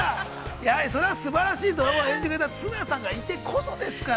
やはり、それは、すばらしいドラマを演じてくれた綱さんがいてこそですから。